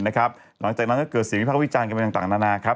หลังจากนั้นก็เกิดเสียงวิภาควิจารณ์กันไปต่างนานาครับ